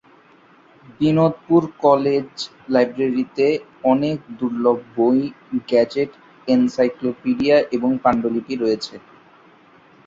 Binodpur college লাইব্রেরীতে অনেক দূর্লভ বই, গেজেট, এনসাইক্লোপিডিয়া এবং পাণ্ডুলিপি রয়েছে।